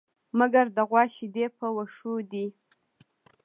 مگر د غوا شيدې په وښو دي.